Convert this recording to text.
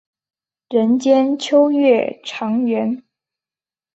人间秋月长圆。